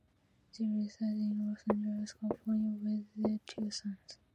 They reside in Los Angeles, California with their two sons.